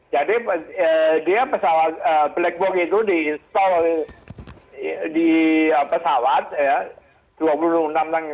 jadi dia pesawat black box itu di install di pesawat ya